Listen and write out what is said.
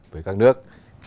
với các nước